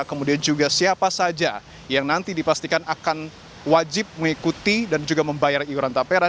kemudian juga siapa saja yang nanti dipastikan akan wajib mengikuti dan juga membayar iuran tapera